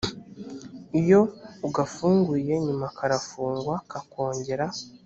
iyo ugafunguye nyuma karafungwa kakongera